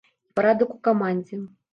І парадак у камандзе.